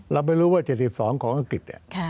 เราไม่รู้ว่า๗๒ของอังกฤษ